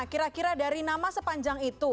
kira kira dari nama sepanjang itu